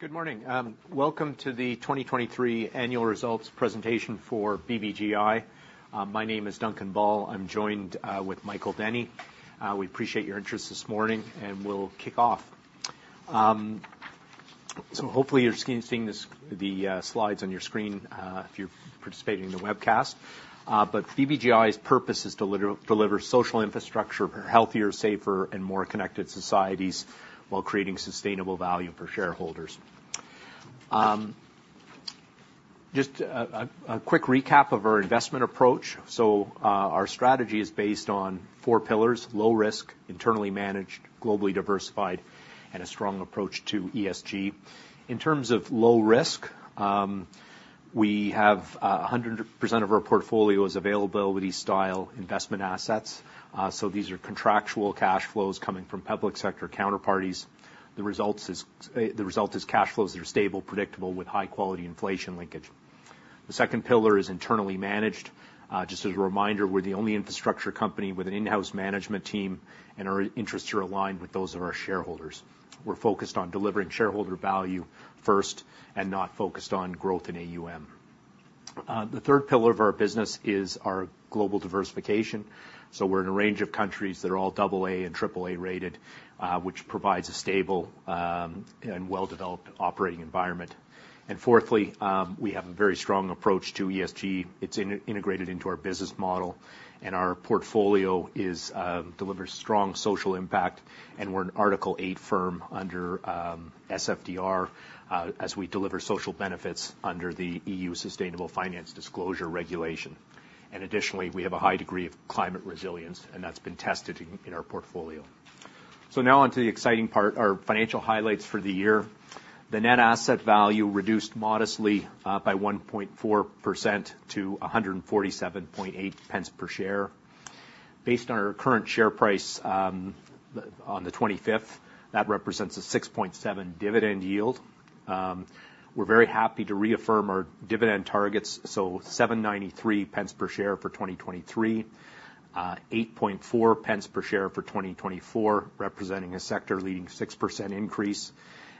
Good morning. Welcome to the 2023 annual results presentation for BBGI. My name is Duncan Ball. I'm joined with Michael Denny. We appreciate your interest this morning, and we'll kick off. Hopefully you're seeing this, the slides on your screen, if you're participating in the webcast. But BBGI's purpose is to deliver social infrastructure for healthier, safer, and more connected societies, while creating sustainable value for shareholders. Just a quick recap of our investment approach. Our strategy is based on four pillars: low risk, internally managed, globally diversified, and a strong approach to ESG. In terms of low risk, we have 100% of our portfolio is availability-style investment assets. So these are contractual cash flows coming from public sector counterparties. The result is cash flows that are stable, predictable, with high-quality inflation linkage. The second pillar is internally managed. Just as a reminder, we're the only infrastructure company with an in-house management team, and our interests are aligned with those of our shareholders. We're focused on delivering shareholder value first, and not focused on growth in AUM. The third pillar of our business is our global diversification. So we're in a range of countries that are all double A and triple A-rated, which provides a stable and well-developed operating environment. And fourthly, we have a very strong approach to ESG. It's integrated into our business model, and our portfolio delivers strong social impact, and we're an Article Eight firm under SFDR, as we deliver social benefits under the EU Sustainable Finance Disclosure Regulation. Additionally, we have a high degree of climate resilience, and that's been tested in our portfolio. So now on to the exciting part, our financial highlights for the year. The net asset value reduced modestly by 1.4% to 1.478 per share. Based on our current share price on the 25th, that represents a 6.7% dividend yield. We're very happy to reaffirm our dividend targets, so 0.0793 per share for 2023, 0.084 per share for 2024, representing a sector-leading 6% increase,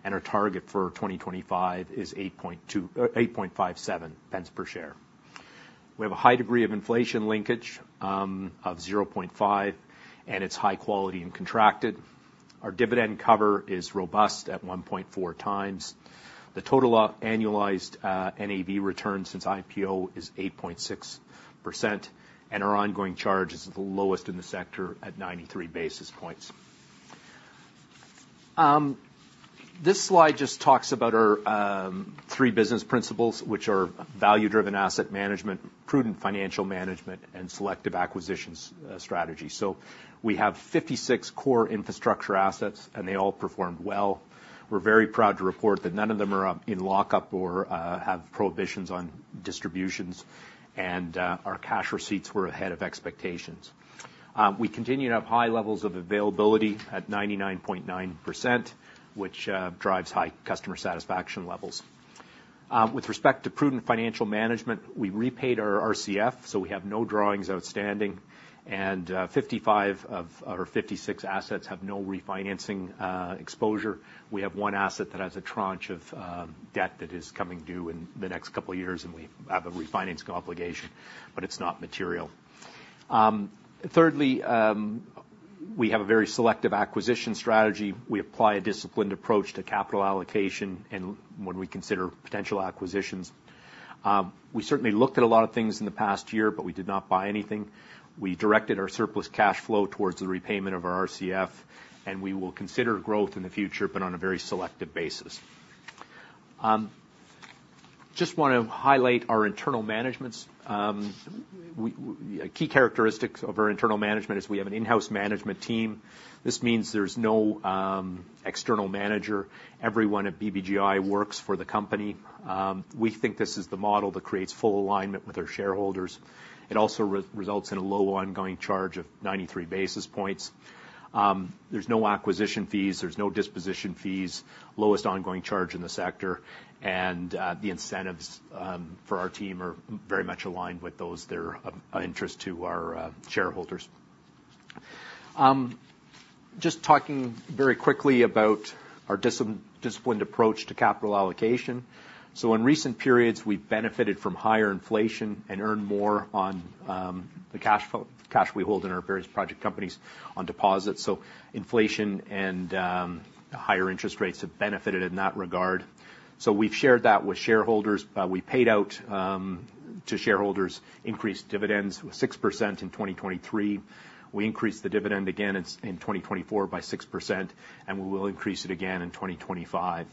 and our target for 2025 is 0.0857 per share. We have a high degree of inflation linkage of 0.5, and it's high quality and contracted. Our dividend cover is robust at 1.4 times. The total annualized NAV return since IPO is 8.6%, and our ongoing charge is the lowest in the sector at 93 basis points. This slide just talks about our three business principles, which are value-driven asset management, prudent financial management, and selective acquisitions strategy. We have 56 core infrastructure assets, and they all performed well. We're very proud to report that none of them are in lockup or have prohibitions on distributions, and our cash receipts were ahead of expectations. We continue to have high levels of availability at 99.9%, which drives high customer satisfaction levels. With respect to prudent financial management, we repaid our RCF, so we have no drawings outstanding, and 55 of our 56 assets have no refinancing exposure. We have one asset that has a tranche of debt that is coming due in the next couple of years, and we have a refinance obligation, but it's not material. Thirdly, we have a very selective acquisition strategy. We apply a disciplined approach to capital allocation and when we consider potential acquisitions. We certainly looked at a lot of things in the past year, but we did not buy anything. We directed our surplus cash flow towards the repayment of our RCF, and we will consider growth in the future, but on a very selective basis. Just want to highlight our internal managements. We... A key characteristic of our internal management is we have an in-house management team. This means there's no external manager. Everyone at BBGI works for the company. We think this is the model that creates full alignment with our shareholders. It also results in a low ongoing charge of 93 basis points. There's no acquisition fees, there's no disposition fees, lowest ongoing charge in the sector, and the incentives for our team are very much aligned with those that are of interest to our shareholders. Just talking very quickly about our disciplined approach to capital allocation. So in recent periods, we've benefited from higher inflation and earned more on the cash we hold in our various project companies on deposits, so inflation and higher interest rates have benefited in that regard. So we've shared that with shareholders. We paid out to shareholders increased dividends, 6% in 2023. We increased the dividend again in 2024 by 6%, and we will increase it again in 2025.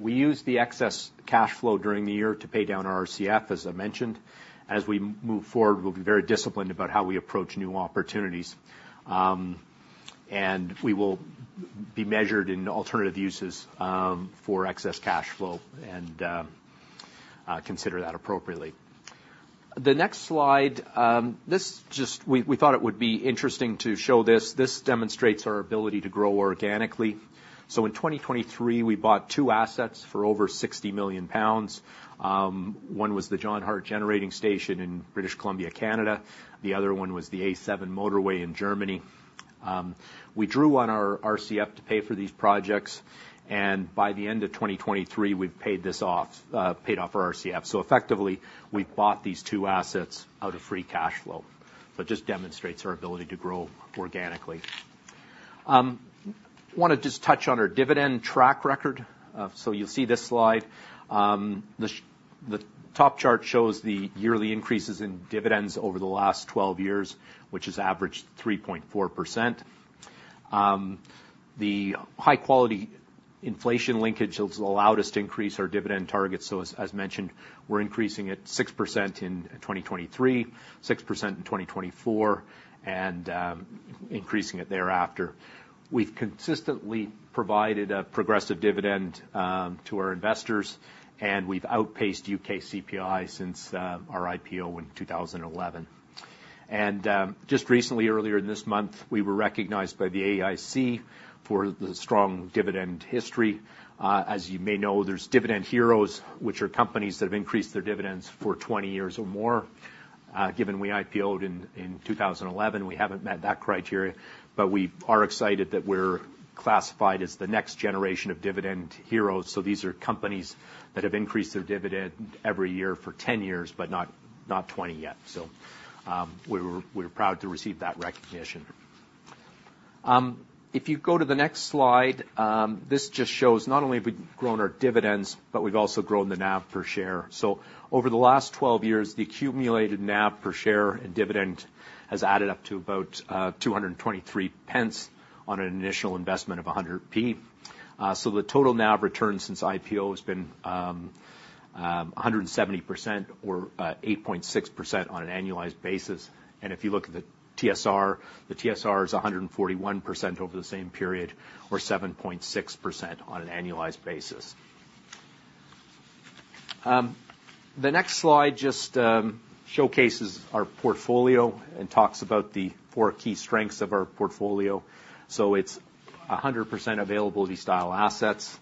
We used the excess cash flow during the year to pay down our RCF, as I mentioned. As we move forward, we'll be very disciplined about how we approach new opportunities, and we will be measured in alternative uses for excess cash flow and consider that appropriately. The next slide, this just. We thought it would be interesting to show this. This demonstrates our ability to grow organically. So in 2023, we bought two assets for over 60 million pounds. One was the John Hart Generating Station in British Columbia, Canada. The other one was the A7 Motorway in Germany. We drew on our RCF to pay for these projects, and by the end of 2023, we've paid this off, paid off our RCF. So effectively, we bought these two assets out of free cash flow. So it just demonstrates our ability to grow organically. Wanna just touch on our dividend track record. So you'll see this slide. The top chart shows the yearly increases in dividends over the last 12 years, which has averaged 3.4%. The high-quality inflation linkage will allow us to increase our dividend targets. So as mentioned, we're increasing it 6% in 2023, 6% in 2024, and increasing it thereafter. We've consistently provided a progressive dividend to our investors, and we've outpaced UK CPI since our IPO in 2011. And, just recently, earlier this month, we were recognized by the AIC for the strong dividend history. As you may know, there's Dividend Heroes, which are companies that have increased their dividends for 20 years or more. Given we IPO'd in two thousand and eleven, we haven't met that criteria, but we are excited that we're classified as the next generation of Dividend Heroes. So these are companies that have increased their dividend every year for 10 years, but not twenty yet. So, we're proud to receive that recognition. If you go to the next slide, this just shows not only have we grown our dividends, but we've also grown the NAV per share. So over the last 12 years, the accumulated NAV per share and dividend has added up to about 223 pence on an initial investment of 100p. So the total NAV return since IPO has been 170% or 8.6% on an annualized basis. If you look at the TSR, the TSR is 141% over the same period, or 7.6% on an annualized basis. The next slide just showcases our portfolio and talks about the four key strengths of our portfolio. So it's 100% availability-style assets.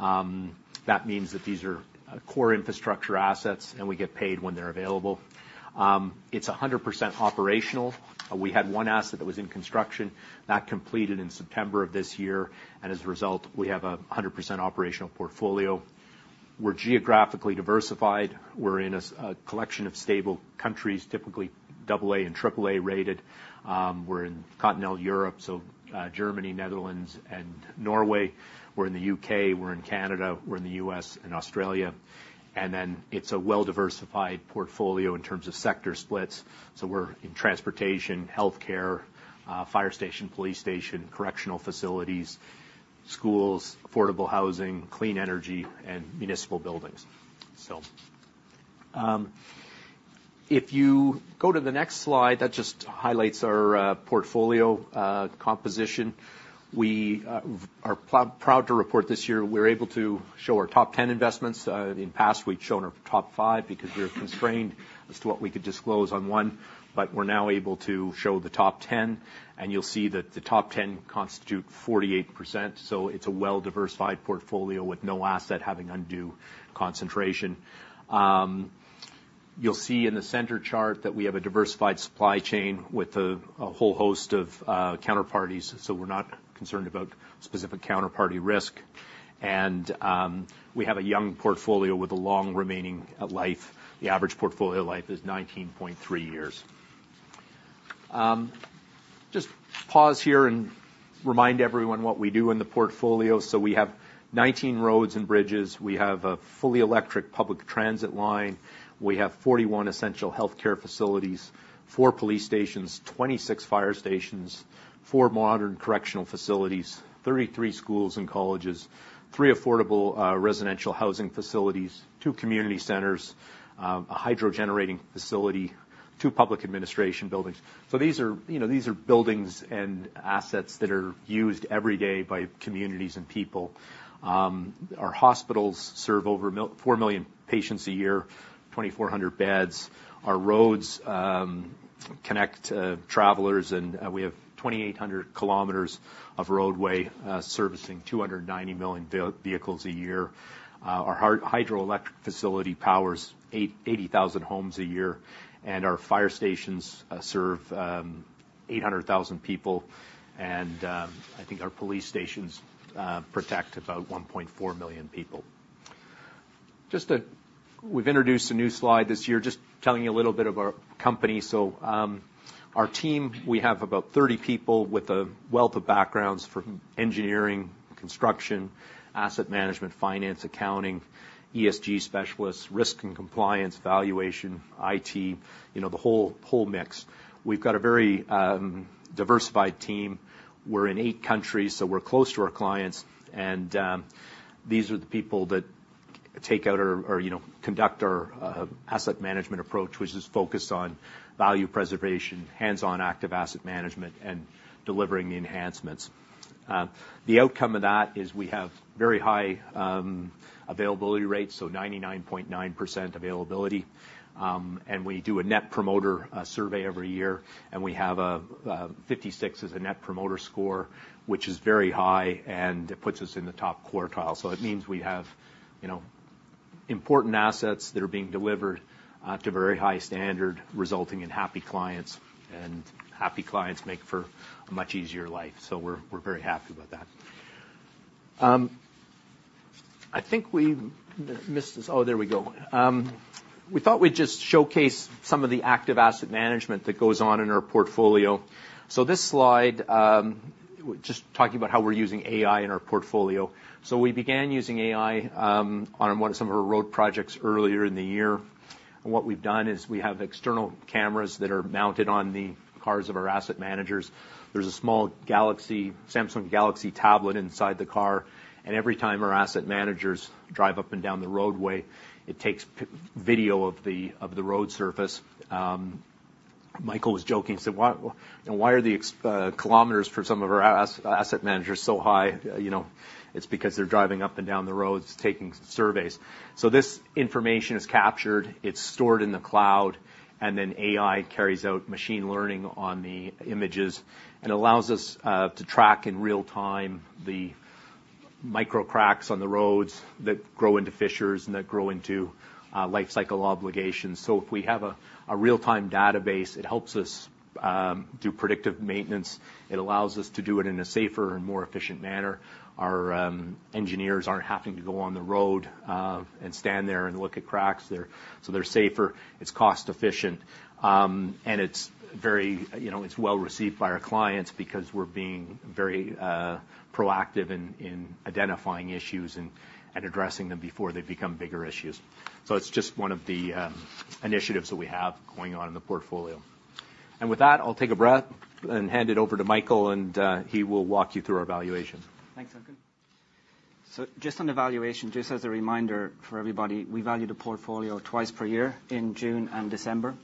That means that these are core infrastructure assets, and we get paid when they're available. It's 100% operational. We had one asset that was in construction. That completed in September of this year, and as a result, we have a 100% operational portfolio. We're geographically diversified. We're in a collection of stable countries, typically double A and triple A-rated. We're in continental Europe, so Germany, Netherlands, and Norway. We're in the U.K., we're in Canada, we're in the U.S., and Australia. And then it's a well-diversified portfolio in terms of sector splits, so we're in transportation, healthcare, fire station, police station, correctional facilities, schools, affordable housing, clean energy, and municipal buildings. So, if you go to the next slide, that just highlights our portfolio composition. We are proud, proud to report this year, we're able to show our top 10 investments. In past, we've shown our top five because we were constrained as to what we could disclose on one, but we're now able to show the top 10, and you'll see that the top 10 constitute 48%, so it's a well-diversified portfolio with no asset having undue concentration. You'll see in the center chart that we have a diversified supply chain with a whole host of counterparties, so we're not concerned about specific counterparty risk. We have a young portfolio with a long remaining life. The average portfolio life is 19.3 years. Just pause here and remind everyone what we do in the portfolio. So we have 19 roads and bridges. We have a fully electric public transit line. We have 41 essential healthcare facilities, four police stations, 26 fire stations, four modern correctional facilities, 33 schools and colleges, three affordable residential housing facilities, two community centers, a hydro generating facility, two public administration buildings. So these are, you know, these are buildings and assets that are used every day by communities and people. Our hospitals serve over four million patients a year, 2,400 beds. Our roads connect travelers, and we have 2,800 kilometers of roadway servicing 290 million vehicles a year. Our hydroelectric facility powers 80,000 homes a year, and our fire stations serve 800,000 people, and I think our police stations protect about 1.4 million people. Just a... We've introduced a new slide this year, just telling you a little bit about our company. So, our team, we have about 30 people with a wealth of backgrounds from engineering, construction, asset management, finance, accounting, ESG specialists, risk and compliance, valuation, IT, you know, the whole mix. We've got a very diversified team. We're in 8 countries, so we're close to our clients, and these are the people that take out or you know conduct our asset management approach, which is focused on value preservation, hands-on active asset management, and delivering the enhancements. The outcome of that is we have very high availability rates, so 99.9% availability. And we do a Net Promoter Survey every year, and we have 56 as a Net Promoter Score, which is very high, and it puts us in the top quartile. So it means we have, you know, important assets that are being delivered to a very high standard, resulting in happy clients, and happy clients make for a much easier life. So we're very happy about that. I think we missed this. Oh, there we go. We thought we'd just showcase some of the active asset management that goes on in our portfolio. So this slide just talking about how we're using AI in our portfolio. So we began using AI on one of some of our road projects earlier in the year. What we've done is we have external cameras that are mounted on the cars of our asset managers. There's a small Samsung Galaxy tablet inside the car, and every time our asset managers drive up and down the roadway, it takes video of the road surface. Michael was joking, said, "Why are the extra kilometers for some of our asset managers so high?" You know, it's because they're driving up and down the roads taking surveys. So this information is captured, it's stored in the cloud, and then AI carries out machine learning on the images and allows us to track in real time the micro cracks on the roads that grow into fissures and that grow into life cycle obligations. So if we have a real-time database, it helps us do predictive maintenance. It allows us to do it in a safer and more efficient manner. Our engineers aren't having to go on the road and stand there and look at cracks. They're safer, it's cost efficient, and it's very, you know, it's well received by our clients because we're being very proactive in identifying issues and addressing them before they become bigger issues. So it's just one of the initiatives that we have going on in the portfolio. And with that, I'll take a breath and hand it over to Michael, and he will walk you through our valuation. Thanks, Duncan. So just on the valuation, just as a reminder for everybody, we value the portfolio twice per year, in June and December.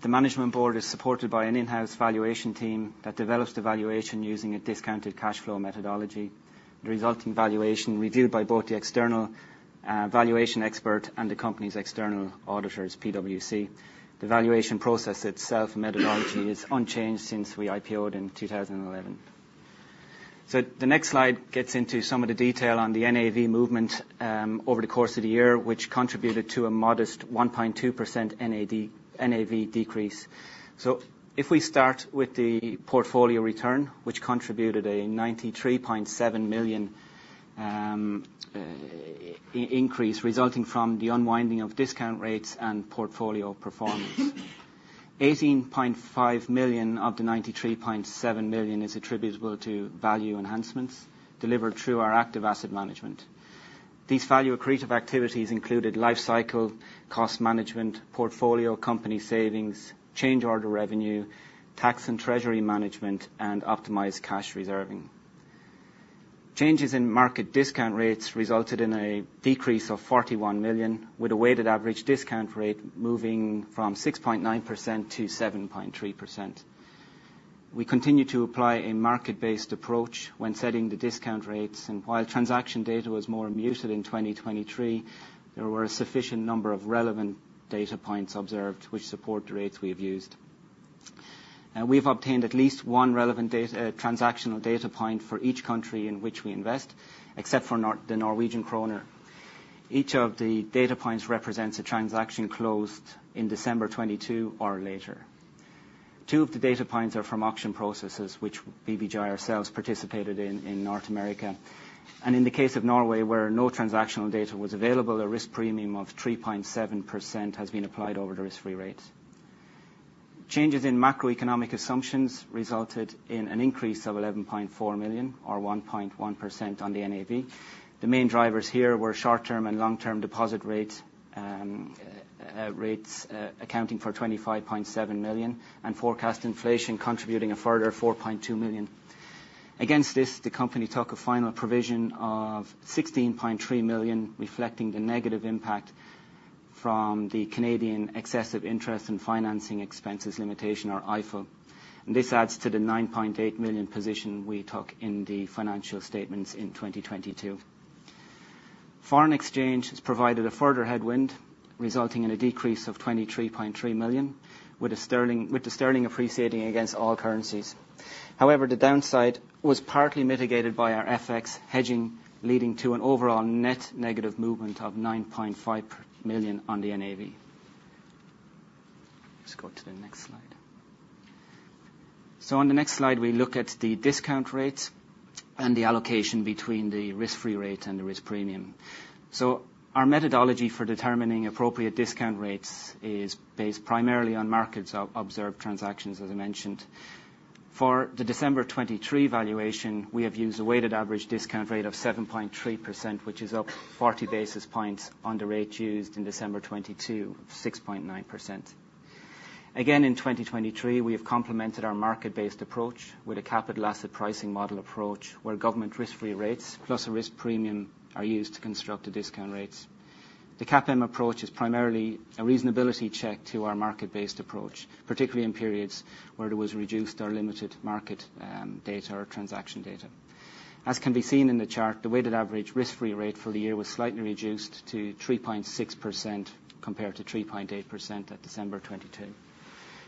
The management board is supported by an in-house valuation team that develops the valuation using a discounted cash flow methodology. The resulting valuation reviewed by both the external valuation expert and the company's external auditors, PwC. The valuation process itself, methodology, is unchanged since we IPO'd in 2011. So the next slide gets into some of the detail on the NAV movement over the course of the year, which contributed to a modest 1.2% NAV decrease. So if we start with the portfolio return, which contributed a 93.7 million increase, resulting from the unwinding of discount rates and portfolio performance. 18.5 million of the 93.7 million is attributable to value enhancements delivered through our active asset management. These value accretive activities included life cycle, cost management, portfolio company savings, change order revenue, tax and treasury management, and optimized cash reserving. Changes in market discount rates resulted in a decrease of 41 million, with a weighted average discount rate moving from 6.9% to 7.3%. We continue to apply a market-based approach when setting the discount rates, and while transaction data was more muted in 2023, there were a sufficient number of relevant data points observed which support the rates we have used. And we've obtained at least one relevant data, transactional data point for each country in which we invest, except for the Norwegian kroner. Each of the data points represents a transaction closed in December 2022 or later. Two of the data points are from auction processes, which BBGI ourselves participated in in North America. In the case of Norway, where no transactional data was available, a risk premium of 3.7% has been applied over the risk-free rates. Changes in macroeconomic assumptions resulted in an increase of 11.4 million, or 1.1% on the NAV. The main drivers here were short-term and long-term deposit rates, accounting for 25.7 million, and forecast inflation contributing a further 4.2 million. Against this, the company took a final provision of 16.3 million, reflecting the negative impact from the Canadian Excessive Interest in Financing Expenses Limitation, or EIFEL, and this adds to the 9.8 million position we took in the financial statements in 2022. Foreign exchange has provided a further headwind, resulting in a decrease of 23.3 million, with the sterling appreciating against all currencies. However, the downside was partly mitigated by our FX hedging, leading to an overall net negative movement of 9.5 million on the NAV. Let's go to the next slide. On the next slide, we look at the discount rates and the allocation between the risk-free rate and the risk premium. Our methodology for determining appropriate discount rates is based primarily on markets observed transactions, as I mentioned. For the December 2023 valuation, we have used a weighted average discount rate of 7.3%, which is up 40 basis points on the rate used in December 2022, of 6.9%. Again, in 2023, we have complemented our market-based approach with a capital asset pricing model approach, where government risk-free rates plus a risk premium are used to construct the discount rates. The CAPM approach is primarily a reasonability check to our market-based approach, particularly in periods where there was reduced or limited market, data or transaction data. As can be seen in the chart, the weighted average risk-free rate for the year was slightly reduced to 3.6%, compared to 3.8% at December 2022....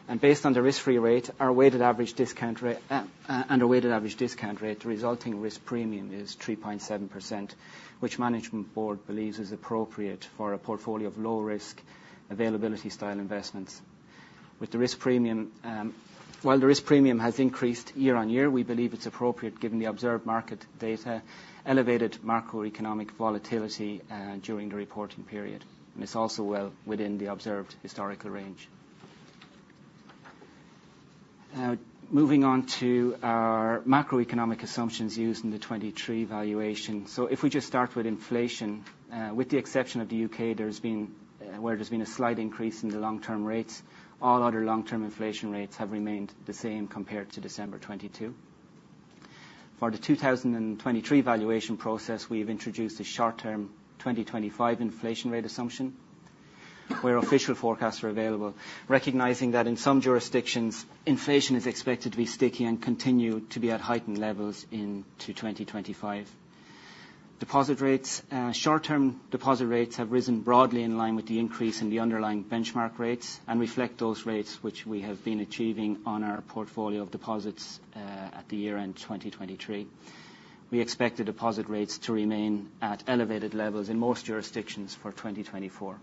And based on the risk-free rate, our weighted average discount rate, and our weighted average discount rate, the resulting risk premium is 3.7%, which management board believes is appropriate for a portfolio of low-risk availability-style investments. With the risk premium, while the risk premium has increased year on year, we believe it's appropriate given the observed market data, elevated macroeconomic volatility, during the reporting period, and it's also well within the observed historical range. Now, moving on to our macroeconomic assumptions used in the 2023 valuation. So if we just start with inflation, with the exception of the U.K., where there's been a slight increase in the long-term rates, all other long-term inflation rates have remained the same compared to December 2022. For the 2023 valuation process, we've introduced a short-term 2025 inflation rate assumption, where official forecasts are available, recognizing that in some jurisdictions, inflation is expected to be sticky and continue to be at heightened levels into 2025. Deposit rates. Short-term deposit rates have risen broadly in line with the increase in the underlying benchmark rates and reflect those rates, which we have been achieving on our portfolio of deposits at the year end 2023. We expect the deposit rates to remain at elevated levels in most jurisdictions for 2024.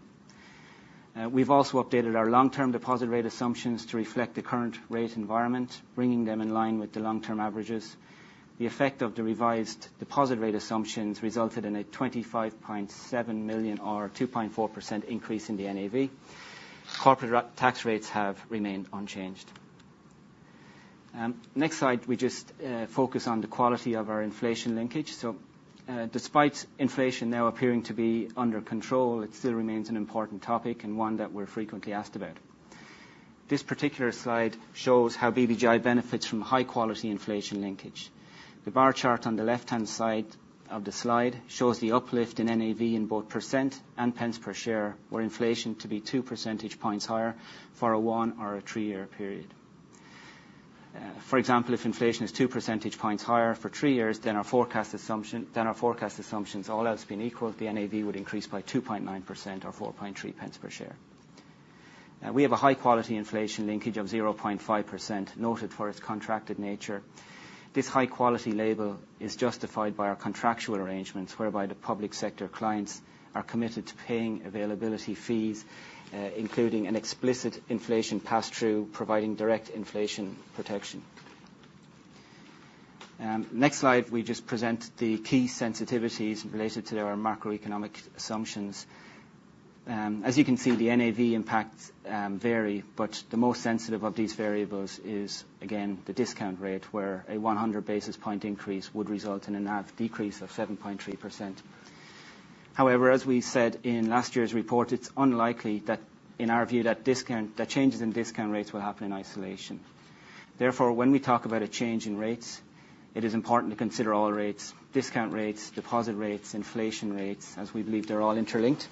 We've also updated our long-term deposit rate assumptions to reflect the current rate environment, bringing them in line with the long-term averages. The effect of the revised deposit rate assumptions resulted in a 25.7 million or 2.4% increase in the NAV. Corporate tax rates have remained unchanged. Next slide, we just focus on the quality of our inflation linkage. So, despite inflation now appearing to be under control, it still remains an important topic and one that we're frequently asked about. This particular slide shows how BBGI benefits from high-quality inflation linkage. The bar chart on the left-hand side of the slide shows the uplift in NAV in both percent and pence per share, where inflation to be 2% points higher for a 1- or 3-year period. For example, if inflation is 2% points higher for three years than our forecast assumption, than our forecast assumptions, all else being equal, the NAV would increase by 2.9% or 0.043 per share. We have a high-quality inflation linkage of 0.5%, noted for its contracted nature. This high-quality label is justified by our contractual arrangements, whereby the public sector clients are committed to paying availability fees, including an explicit inflation pass-through, providing direct inflation protection. Next slide, we just present the key sensitivities related to our macroeconomic assumptions. As you can see, the NAV impacts vary, but the most sensitive of these variables is, again, the discount rate, where a 100 basis point increase would result in a NAV decrease of 7.3%. However, as we said in last year's report, it's unlikely that, in our view, that changes in discount rates will happen in isolation. Therefore, when we talk about a change in rates, it is important to consider all rates, discount rates, deposit rates, inflation rates, as we believe they're all interlinked.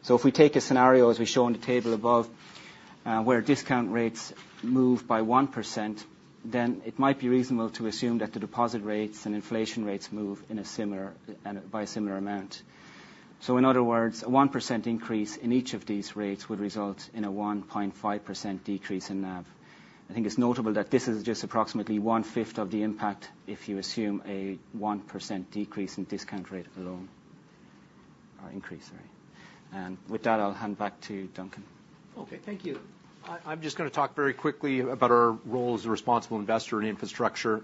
So if we take a scenario, as we show on the table above, where discount rates move by 1%, then it might be reasonable to assume that the deposit rates and inflation rates move in a similar, and by a similar amount. So in other words, a 1% increase in each of these rates would result in a 1.5% decrease in NAV. I think it's notable that this is just approximately one-fifth of the impact if you assume a 1% decrease in discount rate alone or increase, sorry. With that, I'll hand back to Duncan. Okay, thank you. I, I'm just gonna talk very quickly about our role as a responsible investor in infrastructure.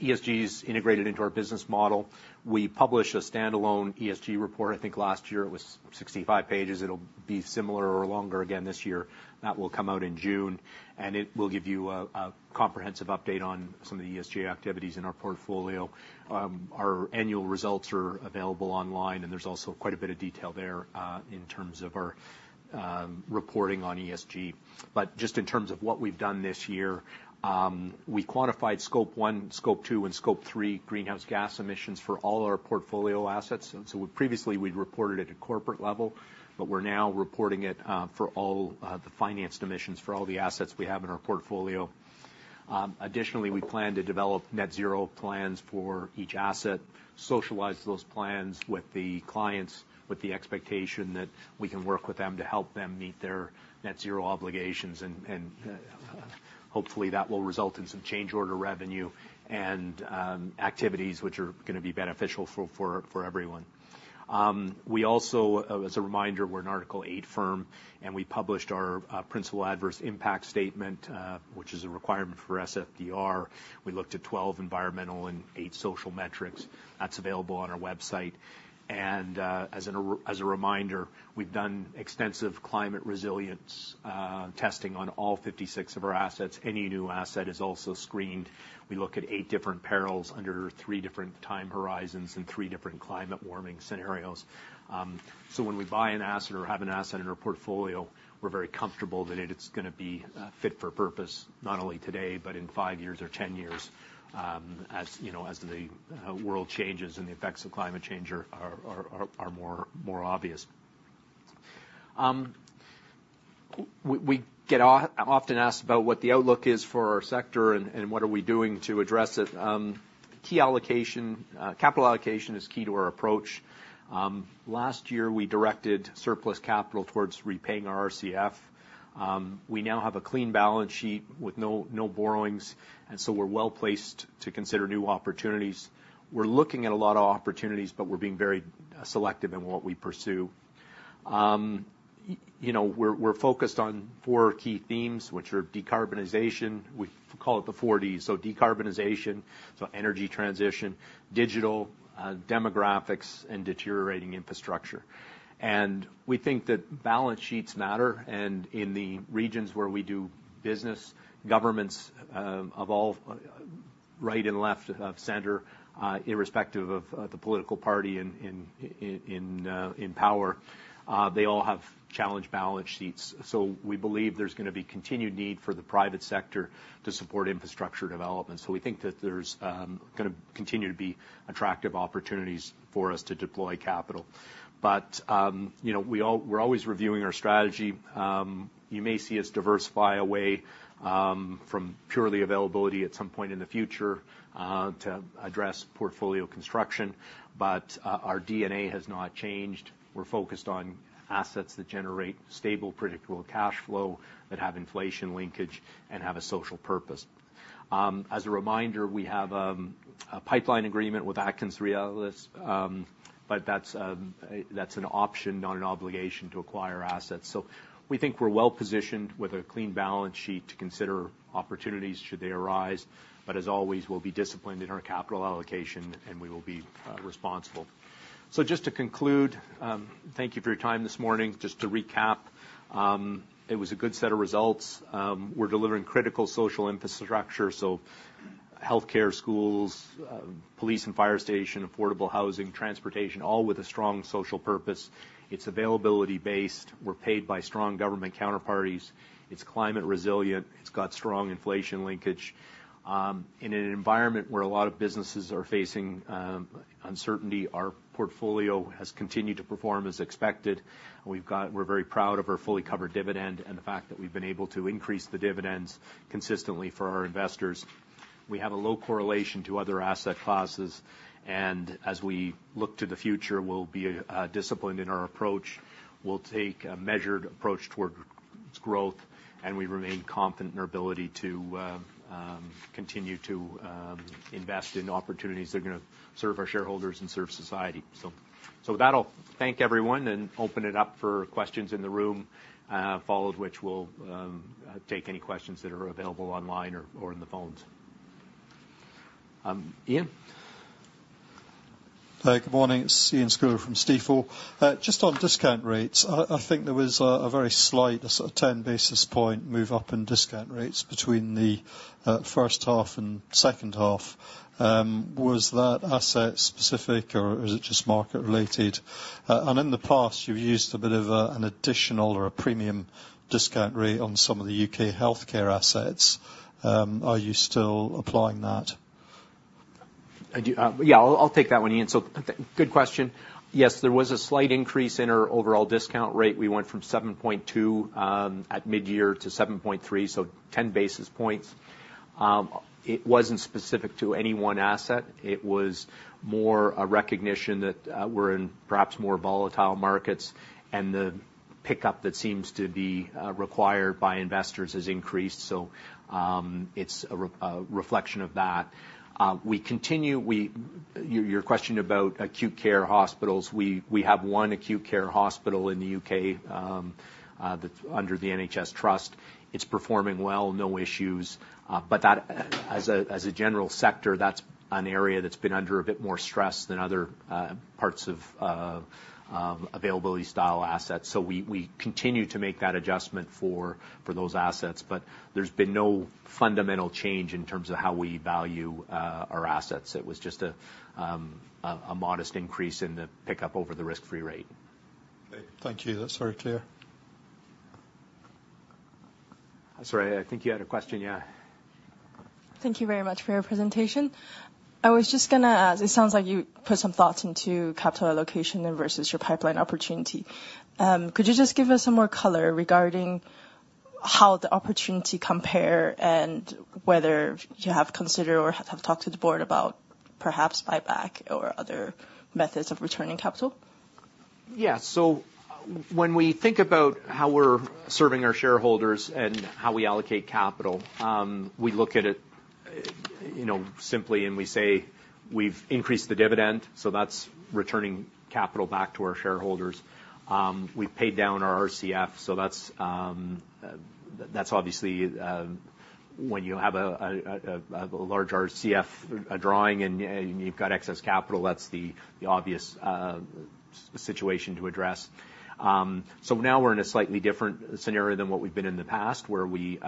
ESG is integrated into our business model. We publish a standalone ESG report. I think last year it was 65 pages. It'll be similar or longer again this year. That will come out in June, and it will give you a comprehensive update on some of the ESG activities in our portfolio. Our annual results are available online, and there's also quite a bit of detail there, in terms of our reporting on ESG. But just in terms of what we've done this year, we quantified scope one, scope two, and scope three greenhouse gas emissions for all our portfolio assets. So previously, we'd reported at a corporate level, but we're now reporting it for all the financed emissions for all the assets we have in our portfolio. Additionally, we plan to develop net zero plans for each asset, socialize those plans with the clients, with the expectation that we can work with them to help them meet their net zero obligations, and hopefully, that will result in some change order revenue and activities which are gonna be beneficial for everyone. We also, as a reminder, we're an Article 8 firm, and we published our principal adverse impact statement, which is a requirement for SFDR. We looked at 12 environmental and 8 social metrics. That's available on our website. As a reminder, we've done extensive climate resilience testing on all 56 of our assets. Any new asset is also screened. We look at eight different perils under three different time horizons and three different climate warming scenarios. So when we buy an asset or have an asset in our portfolio, we're very comfortable that it is gonna be fit for purpose, not only today, but in five years or 10 years, as you know, as the world changes and the effects of climate change are more obvious. We get often asked about what the outlook is for our sector and what are we doing to address it. Capital allocation is key to our approach. Last year, we directed surplus capital towards repaying our RCF. We now have a clean balance sheet with no borrowings, and so we're well-placed to consider new opportunities. We're looking at a lot of opportunities, but we're being very selective in what we pursue. You know, we're focused on four key themes, which are decarbonization. We call it the four D's, so decarbonization, so energy transition, digital, demographics and deteriorating infrastructure. And we think that balance sheets matter, and in the regions where we do business, governments of all right and left of center, irrespective of the political party in power, they all have challenged balance sheets. So we believe there's gonna be continued need for the private sector to support infrastructure development. So we think that there's gonna continue to be attractive opportunities for us to deploy capital. But you know, we're always reviewing our strategy. You may see us diversify away from purely availability at some point in the future to address portfolio construction, but our DNA has not changed. We're focused on assets that generate stable, predictable cash flow, that have inflation linkage and have a social purpose. As a reminder, we have a pipeline agreement with AtkinsRéalis, but that's an option, not an obligation to acquire assets. So we think we're well positioned with a clean balance sheet to consider opportunities should they arise, but as always, we'll be disciplined in our capital allocation, and we will be responsible. So just to conclude, thank you for your time this morning. Just to recap, it was a good set of results. We're delivering critical social infrastructure, so healthcare, schools, police and fire station, affordable housing, transportation, all with a strong social purpose. It's availability based. We're paid by strong government counterparties. It's climate resilient. It's got strong inflation linkage. In an environment where a lot of businesses are facing uncertainty, our portfolio has continued to perform as expected, and we're very proud of our fully covered dividend and the fact that we've been able to increase the dividends consistently for our investors. We have a low correlation to other asset classes, and as we look to the future, we'll be disciplined in our approach. We'll take a measured approach towards growth, and we remain confident in our ability to continue to invest in opportunities that are gonna serve our shareholders and serve society. So with that, I'll thank everyone and open it up for questions in the room, followed which we'll take any questions that are available online or in the phones. Ian? Hi, good morning. It's Iain Scouller from Stifel. Just on discount rates, I think there was a very slight, a sort of 10 basis points move up in discount rates between the first half and second half. Was that asset specific, or is it just market related? And in the past, you've used a bit of a, an additional or a premium discount rate on some of the UK healthcare assets. Are you still applying that? Yeah, I'll take that one, Ian. Good question. Yes, there was a slight increase in our overall discount rate. We went from 7.2 at mid-year to 7.3, so 10 basis points. It wasn't specific to any one asset. It was more a recognition that we're in perhaps more volatile markets, and the pickup that seems to be required by investors has increased, so it's a reflection of that. Your question about acute care hospitals, we have one acute care hospital in the U.K., that's under the NHS Trust. It's performing well, no issues, but that, as a general sector, that's an area that's been under a bit more stress than other parts of availability-style assets. So we continue to make that adjustment for those assets, but there's been no fundamental change in terms of how we value our assets. It was just a modest increase in the pickup over the risk-free rate. Thank you. That's very clear. Sorry, I think you had a question, yeah. Thank you very much for your presentation. I was just gonna ask, it sounds like you put some thoughts into capital allocation and versus your pipeline opportunity. Could you just give us some more color regarding how the opportunity compare, and whether you have considered or have talked to the board about perhaps buyback or other methods of returning capital? Yeah. So when we think about how we're serving our shareholders and how we allocate capital, we look at it, you know, simply, and we say we've increased the dividend, so that's returning capital back to our shareholders. We've paid down our RCF, so that's obviously when you have a large RCF drawing, and you've got excess capital, that's the obvious situation to address. So now we're in a slightly different scenario than what we've been in the past, where we, you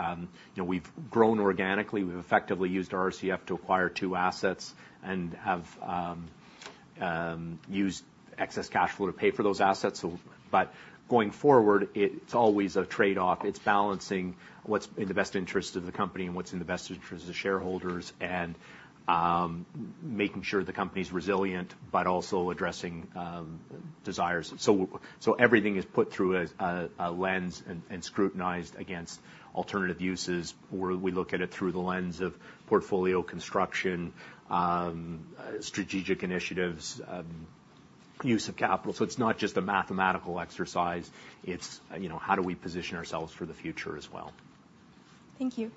know, we've grown organically. We've effectively used our RCF to acquire two assets and have used excess cash flow to pay for those assets. So but going forward, it's always a trade-off. It's balancing what's in the best interest of the company and what's in the best interest of the shareholders and, making sure the company's resilient, but also addressing, desires. So everything is put through a lens and scrutinized against alternative uses, where we look at it through the lens of portfolio construction, strategic initiatives, use of capital. So it's not just a mathematical exercise, it's, you know, how do we position ourselves for the future as well? Thank you.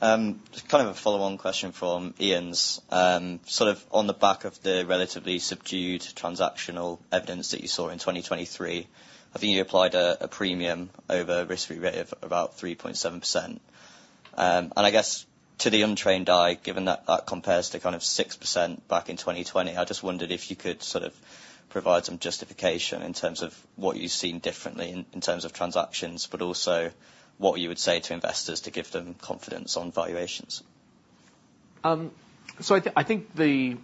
Just kind of a follow-on question from Iain's. Sort of on the back of the relatively subdued transactional evidence that you saw in 2023, I think you applied a premium over risk-free rate of about 3.7%. And I guess to the untrained eye, given that that compares to kind of 6% back in 2020, I just wondered if you could sort of provide some justification in terms of what you've seen differently in terms of transactions, but also what you would say to investors to give them confidence on valuations. So I think the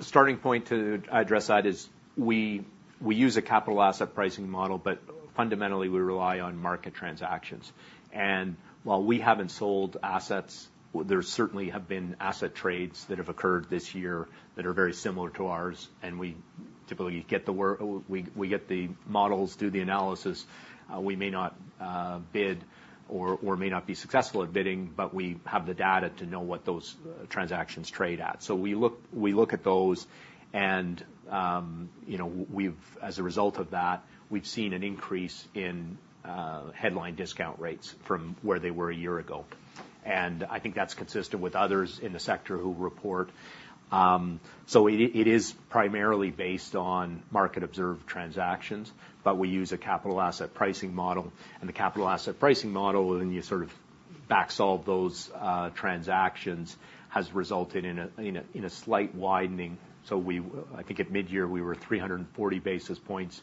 starting point to address that is we use a capital asset pricing model, but fundamentally, we rely on market transactions. And while we haven't sold assets, well, there certainly have been asset trades that have occurred this year that are very similar to ours, and we typically get the work—we get the models, do the analysis. We may not bid or may not be successful at bidding, but we have the data to know what those transactions trade at. So we look at those, and you know, we've—as a result of that, we've seen an increase in headline discount rates from where they were a year ago. And I think that's consistent with others in the sector who report. So it is primarily based on market-observed transactions, but we use a capital asset pricing model. The capital asset pricing model, when you sort of back solve those transactions, has resulted in a slight widening. So we—I think at midyear, we were 340 basis points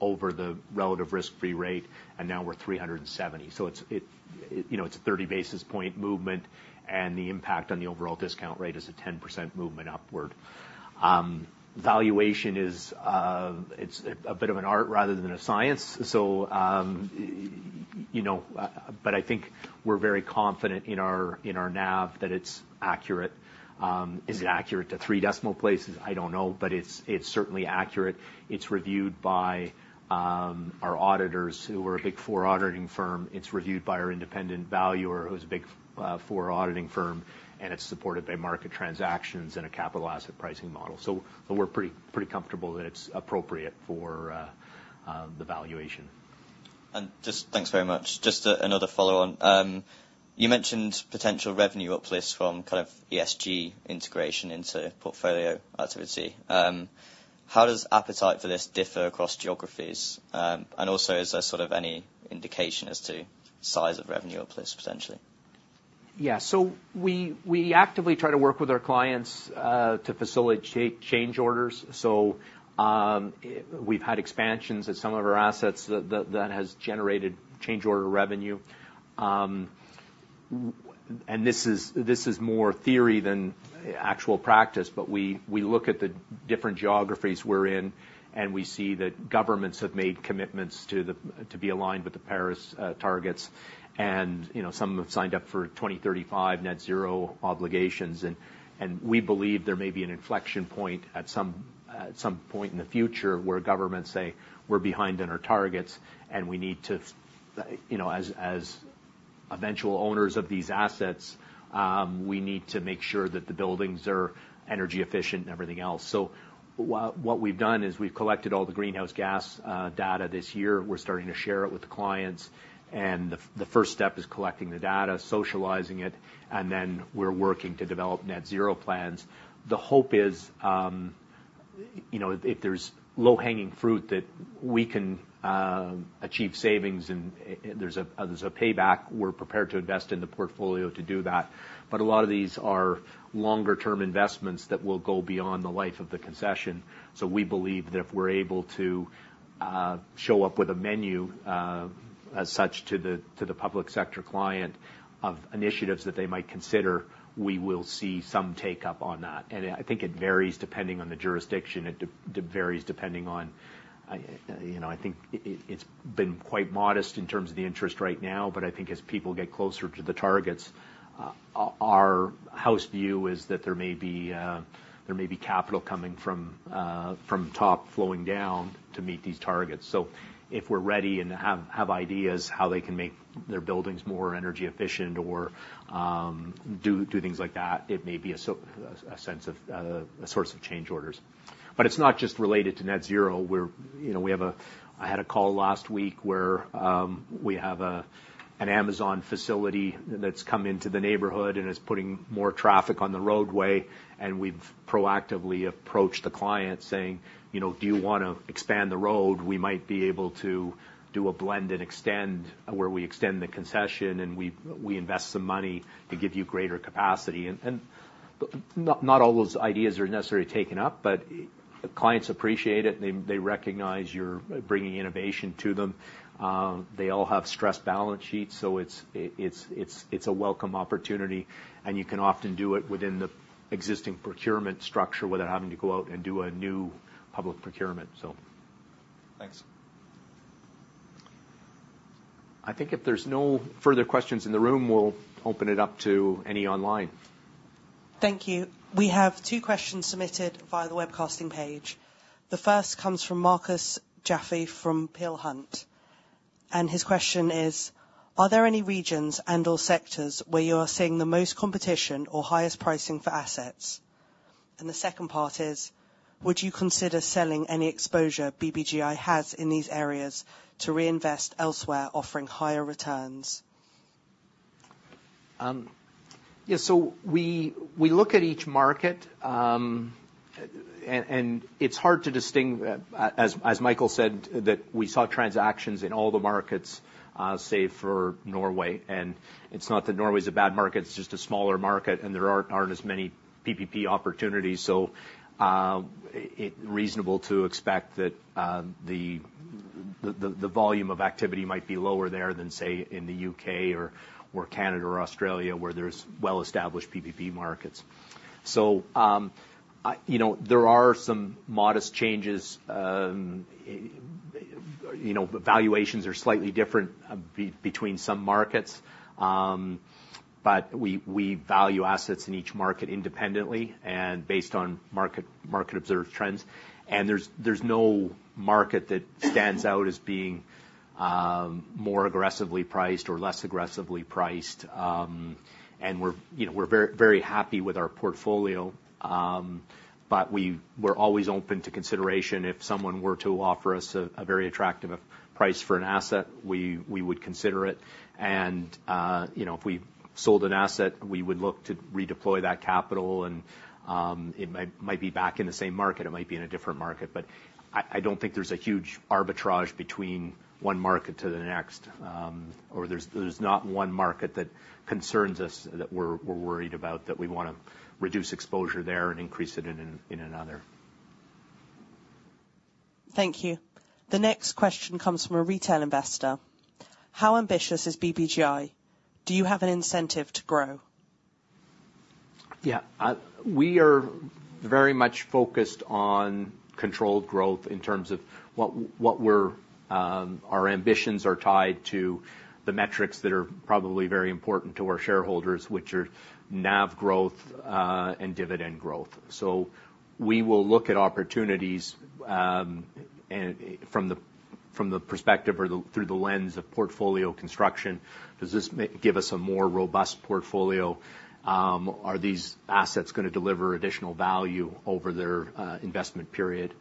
over the relative risk-free rate, and now we're 370. So you know, it's a 30 basis point movement, and the impact on the overall discount rate is a 10% movement upward. Valuation is, it's a bit of an art rather than a science, so, you know... But I think we're very confident in our NAV, that it's accurate. Is it accurate to three decimal places? I don't know, but it's certainly accurate. It's reviewed by our auditors, who are a Big Four auditing firm. It's reviewed by our independent valuer, who's a Big Four auditing firm, and it's supported by market transactions and a capital asset pricing model. So we're pretty comfortable that it's appropriate for the valuation. Just, thanks very much. Just another follow-on. You mentioned potential revenue uplift from kind of ESG integration into portfolio activity. How does appetite for this differ across geographies? And also, is there sort of any indication as to size of revenue uplift, potentially? Yeah. So we actively try to work with our clients to facilitate change orders. So we've had expansions at some of our assets that has generated change order revenue. And this is more theory than actual practice, but we look at the different geographies we're in, and we see that governments have made commitments to be aligned with the Paris targets. You know, some have signed up for 2035 net zero obligations, and we believe there may be an inflection point at some point in the future where governments say, "We're behind in our targets, and we need to, you know, as eventual owners of these assets, we need to make sure that the buildings are energy efficient and everything else." So what we've done is we've collected all the greenhouse gas data this year. We're starting to share it with the clients, and the first step is collecting the data, socializing it, and then we're working to develop net zero plans. The hope is, you know, if there's low-hanging fruit that we can achieve savings and there's a payback, we're prepared to invest in the portfolio to do that. But a lot of these are longer-term investments that will go beyond the life of the concession. So we believe that if we're able to show up with a menu, as such, to the public sector client of initiatives that they might consider, we will see some take-up on that. And I think it varies depending on the jurisdiction. It varies depending on... you know, I think it's been quite modest in terms of the interest right now, but I think as people get closer to the targets, our house view is that there may be capital coming from top flowing down to meet these targets. So if we're ready and have ideas how they can make their buildings more energy efficient or do things like that, it may be a sense of a source of change orders. But it's not just related to net zero. We're, you know, we have—I had a call last week where we have an Amazon facility that's come into the neighborhood and is putting more traffic on the roadway, and we've proactively approached the client saying, "You know, do you wanna expand the road? We might be able to do a blend and extend, where we extend the concession, and we invest some money to give you greater capacity." And not all those ideas are necessarily taken up, but clients appreciate it, and they recognize you're bringing innovation to them. They all have stressed balance sheets, so it's a welcome opportunity, and you can often do it within the existing procurement structure without having to go out and do a new public procurement. So- Thanks. I think if there's no further questions in the room, we'll open it up to any online.... Thank you. We have two questions submitted via the webcasting page. The first comes from Marcus Jaffe from Peel Hunt, and his question is: Are there any regions and/or sectors where you are seeing the most competition or highest pricing for assets? And the second part is: Would you consider selling any exposure BBGI has in these areas to reinvest elsewhere, offering higher returns? Yeah, so we look at each market, and as Michael said, we saw transactions in all the markets, save for Norway. And it's not that Norway is a bad market, it's just a smaller market, and there aren't as many PPP opportunities. So, it's reasonable to expect that the volume of activity might be lower there than, say, in the U.K. or Canada or Australia, where there's well-established PPP markets. So, you know, there are some modest changes. You know, valuations are slightly different between some markets. But we value assets in each market independently and based on market-observed trends. And there's no market that stands out as being more aggressively priced or less aggressively priced. And we're, you know, we're very, very happy with our portfolio, but we're always open to consideration. If someone were to offer us a very attractive price for an asset, we would consider it. And, you know, if we sold an asset, we would look to redeploy that capital and, it might be back in the same market, it might be in a different market. But I don't think there's a huge arbitrage between one market to the next. Or there's not one market that concerns us, that we're worried about, that we wanna reduce exposure there and increase it in another. Thank you. The next question comes from a retail investor: How ambitious is BBGI? Do you have an incentive to grow? Yeah. We are very much focused on controlled growth in terms of what we're. Our ambitions are tied to the metrics that are probably very important to our shareholders, which are NAV growth and dividend growth. So we will look at opportunities, and from the perspective or through the lens of portfolio construction. Does this give us a more robust portfolio? Are these assets gonna deliver additional value over their investment period?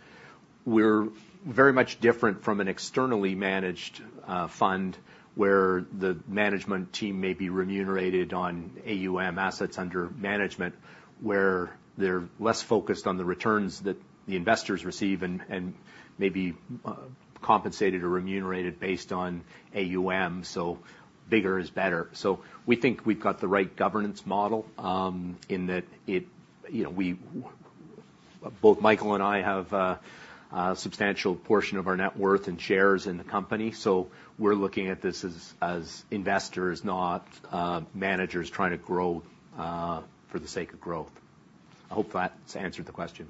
We're very much different from an externally managed fund, where the management team may be remunerated on AUM, assets under management, where they're less focused on the returns that the investors receive and maybe compensated or remunerated based on AUM, so bigger is better. So we think we've got the right governance model, in that you know, we, both Michael and I have a substantial portion of our net worth and shares in the company, so we're looking at this as, as investors, not managers trying to grow for the sake of growth. I hope that's answered the question.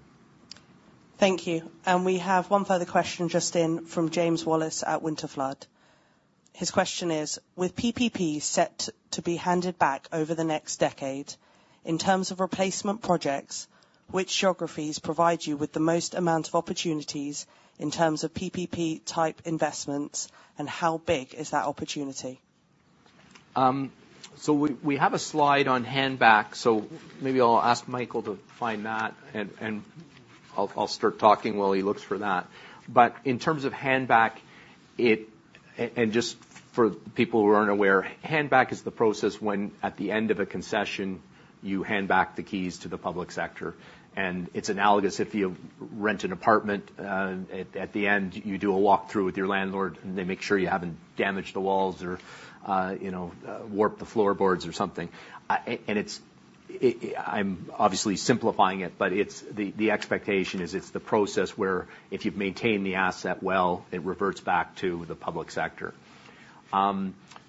Thank you. And we have one further question just in from James Wallace at Winterflood. His question is: With PPP set to be handed back over the next decade, in terms of replacement projects, which geographies provide you with the most amount of opportunities in terms of PPP-type investments, and how big is that opportunity? So we have a slide on handback, so maybe I'll ask Michael to find that, and I'll start talking while he looks for that. But in terms of handback, and just for people who aren't aware, handback is the process when, at the end of a concession, you hand back the keys to the public sector. And it's analogous if you rent an apartment, at the end, you do a walk-through with your landlord, and they make sure you haven't damaged the walls or, you know, warped the floorboards or something. I'm obviously simplifying it, but it's the expectation is it's the process where if you've maintained the asset well, it reverts back to the public sector.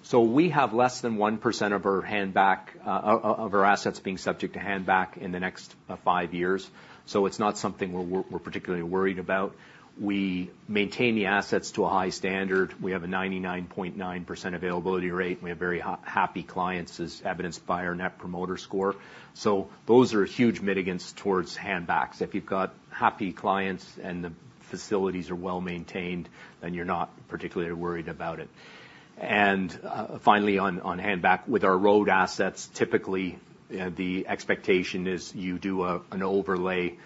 So we have less than 1% of our handback, of our assets being subject to handback in the next five years, so it's not something we're, we're particularly worried about. We maintain the assets to a high standard. We have a 99.9% availability rate, and we have very happy clients, as evidenced by our Net Promoter score. So those are huge mitigants towards handbacks. If you've got happy clients and the facilities are well-maintained, then you're not particularly worried about it. And, finally, on handback, with our road assets, typically, the expectation is you do an overlay,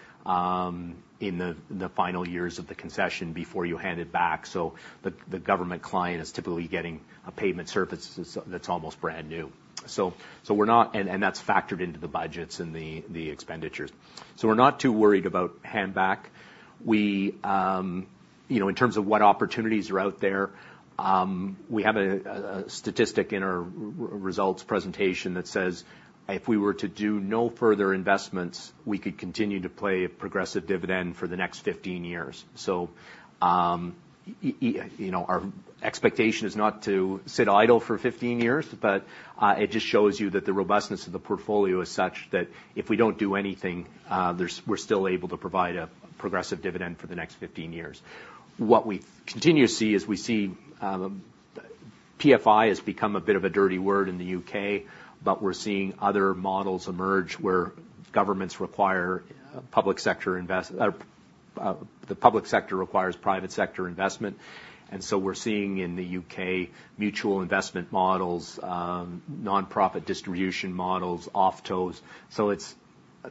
in the final years of the concession before you hand it back, so the government client is typically getting a pavement surface that's almost brand new. So we're not. And that's factored into the budgets and the expenditures. So we're not too worried about handback. We, you know, in terms of what opportunities are out there, we have a statistic in our results presentation that says if we were to do no further investments, we could continue to pay a progressive dividend for the next 15 years. So, you know, our expectation is not to sit idle for 15 years, but it just shows you that the robustness of the portfolio is such that if we don't do anything, we're still able to provide a progressive dividend for the next 15 years. What we continue to see is we see... PFI has become a bit of a dirty word in the U.K., but we're seeing other models emerge where governments require the public sector requires private sector investment. And so we're seeing in the U.K., mutual investment models, nonprofit distribution models, OFTOs. So it's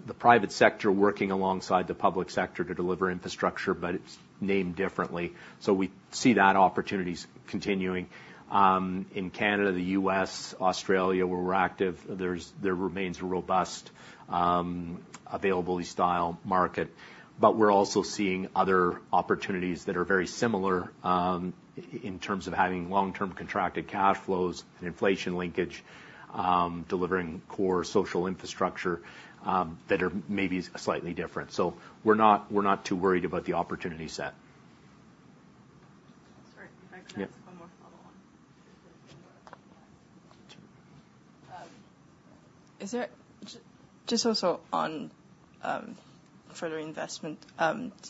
the private sector working alongside the public sector to deliver infrastructure, but it's named differently. So we see that opportunities continuing. In Canada, the U.S., Australia, where we're active, there's there remains a robust, availability-style market. But we're also seeing other opportunities that are very similar, in terms of having long-term contracted cash flows and inflation linkage, delivering core social infrastructure, that are maybe slightly different. So we're not, we're not too worried about the opportunity set. Sorry, if I could ask one more follow on? Yeah. Is there just also on further investment,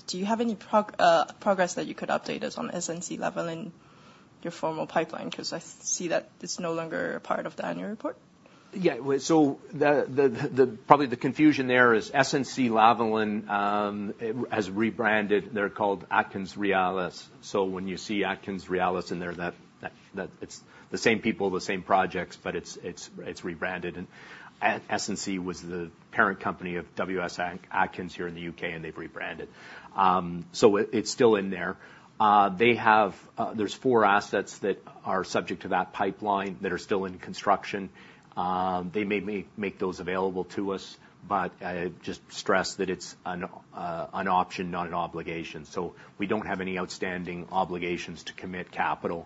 do you have any progress that you could update us on SNC-Lavalin, your former pipeline? Because I see that it's no longer a part of the annual report. Yeah. So probably the confusion there is SNC-Lavalin, it has rebranded. They're called AtkinsRéalis. So when you see AtkinsRéalis in there, that-- it's the same people, the same projects, but it's rebranded. And SNC-Lavalin was the parent company of WS Atkins, here in the UK, and they've rebranded. So it, it's still in there. They have-- there's four assets that are subject to that pipeline that are still in construction. They may make those available to us, but I just stress that it's an option, not an obligation. So we don't have any outstanding obligations to commit capital,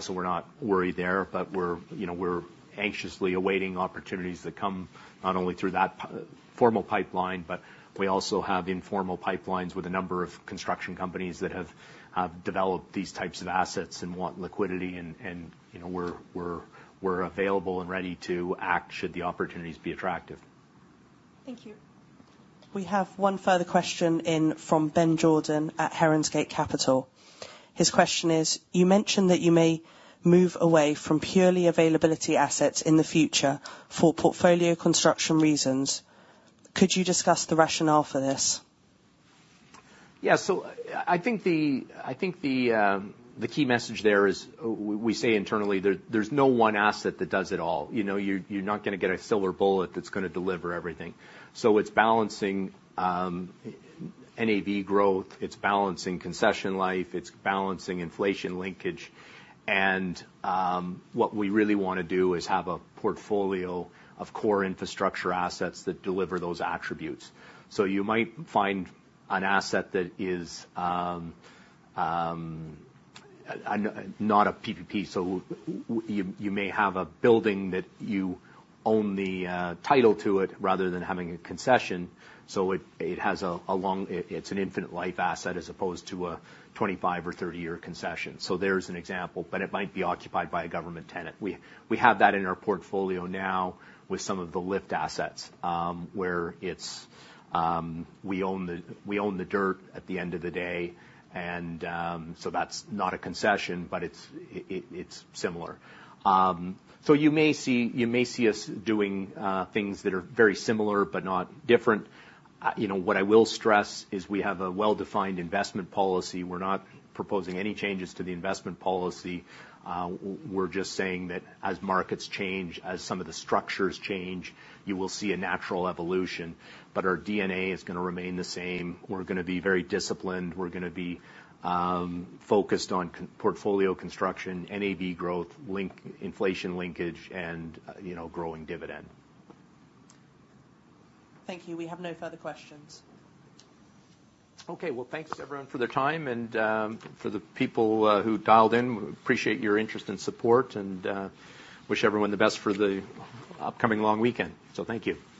so we're not worried there. But we're, you know, we're anxiously awaiting opportunities that come not only through that formal pipeline, but we also have informal pipelines with a number of construction companies that have developed these types of assets and want liquidity. And, you know, we're available and ready to act, should the opportunities be attractive. Thank you. We have one further question in from Ben Jordan at Herongate Capital. His question is: You mentioned that you may move away from purely availability assets in the future for portfolio construction reasons. Could you discuss the rationale for this? Yeah. So I think the key message there is we say internally, there's no one asset that does it all. You know, you're not gonna get a silver bullet that's gonna deliver everything. So it's balancing NAV growth, it's balancing concession life, it's balancing inflation linkage. And what we really wanna do is have a portfolio of core infrastructure assets that deliver those attributes. So you might find an asset that is not a PPP. So you may have a building that you own the title to it, rather than having a concession, so it has a long- it's an infinite life asset, as opposed to a 25- or 30-year concession. So there's an example, but it might be occupied by a government tenant. We have that in our portfolio now with some of the LIFT assets, where it's. We own the dirt at the end of the day, and so that's not a concession, but it's similar. So you may see us doing things that are very similar, but not different. You know, what I will stress is we have a well-defined investment policy. We're not proposing any changes to the investment policy. We're just saying that as markets change, as some of the structures change, you will see a natural evolution, but our DNA is gonna remain the same. We're gonna be very disciplined. We're gonna be focused on portfolio construction, NAV growth, inflation linkage, and you know, growing dividend. Thank you. We have no further questions. Okay. Well, thanks, everyone, for their time and, for the people who dialed in, we appreciate your interest and support and, wish everyone the best for the upcoming long weekend. So thank you. Thank you.